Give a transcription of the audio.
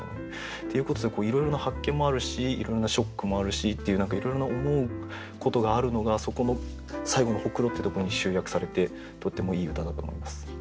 っていうことでいろいろな発見もあるしいろいろなショックもあるしっていう何かいろいろな思うことがあるのがそこの最後の「黒子」ってところに集約されてとってもいい歌だと思います。